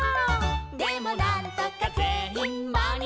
「でもなんとかぜんいんまにあって」